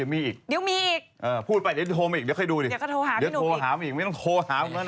ไม่ต้องโทรหาพี่หนุ่มค่ะ